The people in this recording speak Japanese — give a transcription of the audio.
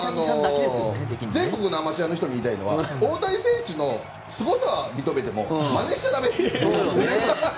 全国のアマチュアの人に言いたいのは大谷選手のすごさを認めてもまねしちゃだめ。